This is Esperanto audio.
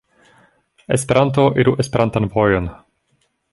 Esperanto iru Esperantan vojon.